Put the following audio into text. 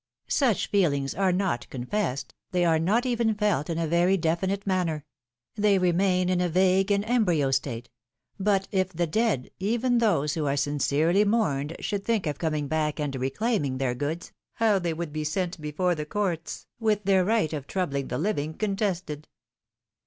Such feelings are not confessed, they are not even felt in a very definite manner : they remain in a'vague and embryo state; but if the dead, even those who are sincerely mourned, should think of coming back and reclaiming their goods, how they would be sent before the courts, with their right of troubling the living contested